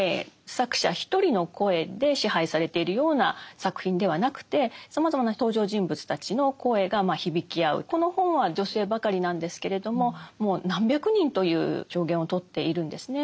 作者１人の声で支配されているような作品ではなくてこの本は女性ばかりなんですけれどももう何百人という証言をとっているんですね。